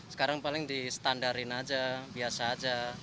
sekarang paling di standarin aja biasa aja